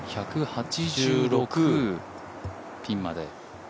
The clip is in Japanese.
１８６、ピンまで。